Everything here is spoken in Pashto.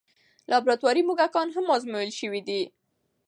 لابراتواري موږکان هم ازمویل شوي دي.